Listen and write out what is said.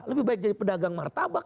lebih baik jadi pedagang martabak